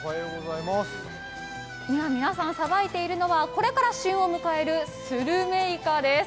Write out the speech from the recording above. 今皆さんがさばいているのは、これから旬を迎えるスルメイカです。